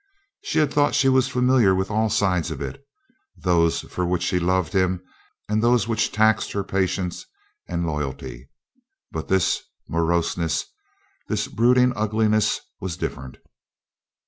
She had thought she was familiar with all sides of it, those for which she loved him and those which taxed her patience and loyalty; but this moroseness, this brooding ugliness, was different.